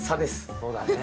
そうだね。